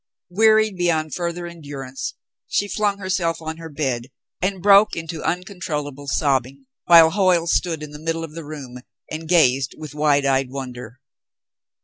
Wearied beyond further endurance, she flung herself on her bed and broke into uncontrollable sobbing, while Hoyle stood in the middle of the room and gazed with wide eyed wonder.